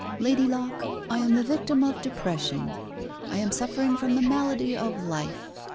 Lady Locke, I am the victim of depression. I am suffering from the malady of life.